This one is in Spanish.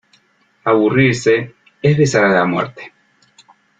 Aburrirse, es besar a la muerte.